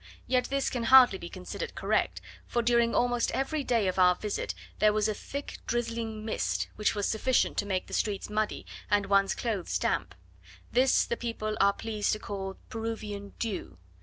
Yet this can hardly be considered correct; for during almost every day of our visit there was a thick drizzling mist, which was sufficient to make the streets muddy and one's clothes damp: this the people are pleased to call Peruvian dew.